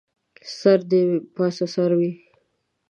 سر دې پاسه سر وي